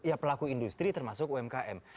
ya pelaku industri termasuk umkm